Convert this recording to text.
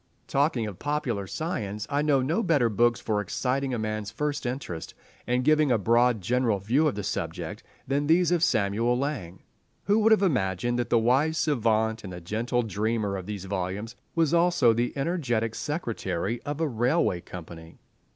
Talking of popular science, I know no better books for exciting a man's first interest, and giving a broad general view of the subject, than these of Samuel Laing. Who would have imagined that the wise savant and gentle dreamer of these volumes was also the energetic secretary of a railway company?